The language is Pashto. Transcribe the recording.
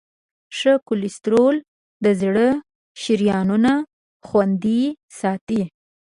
ښه کولیسټرول د زړه شریانونه خوندي ساتي.